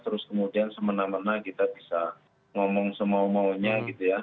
terus kemudian semena mena kita bisa ngomong semau maunya gitu ya